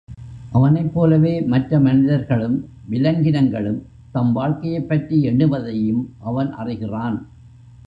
அவனைப்போலவே மற்ற மனிதர்களும் விலங்கினங்களும் தம் வாழ்க்கையைப் பற்றி எண்ணுவதையும் அவன் அறிகிறான்.